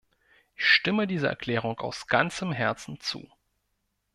Ich stimme dieser Erklärung aus ganzem Herzen zu.